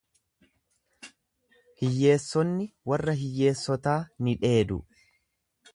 Hiyyeessonni warra hiyyeessotaa ni dheedu.